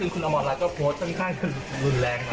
คุณอำมาตย์ก็โพสต์ข้างหลุดแรงหน่อยเหมือนกัน